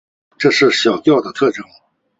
这是小调的特征。